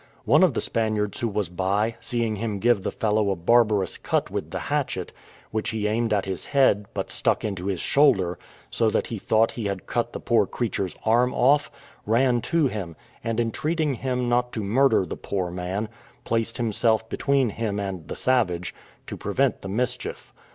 One of the Spaniards who was by, seeing him give the fellow a barbarous cut with the hatchet, which he aimed at his head, but stuck into his shoulder, so that he thought he had cut the poor creature's arm off, ran to him, and entreating him not to murder the poor man, placed himself between him and the savage, to prevent the mischief.